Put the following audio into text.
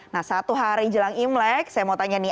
nah satu hari jelang imlek saya mau tanya nih